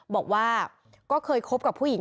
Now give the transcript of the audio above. บอกว่าก็เคยคบกับผู้หญิง